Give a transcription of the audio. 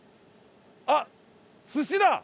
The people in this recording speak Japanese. あっ寿司だ！